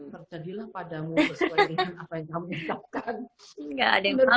terjadilah padamu sesuai dengan apa yang kamu harapkan